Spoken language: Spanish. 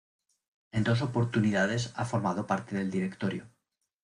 En dos oportunidades ha formado parte del Directorio.